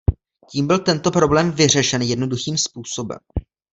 Tím byl tento problém vyřešen jednoduchým způsobem.